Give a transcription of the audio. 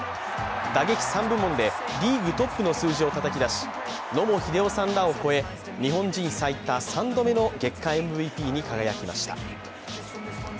打撃３部門でリーグトップの数字をたたき出し、野茂英雄さんらを超え日本人最多３度目の月間ＭＶＰに輝きました。